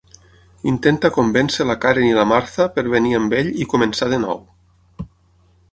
Intenta convèncer la Karen i la Martha per venir amb ell i començar de nou.